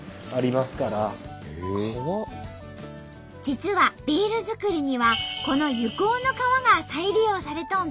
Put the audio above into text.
実はビール作りにはこの柚香の皮が再利用されとんと！